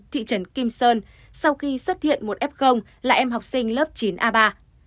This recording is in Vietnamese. thị trấn kim sơn sau khi xuất hiện một f là em học sinh lớp chín a ba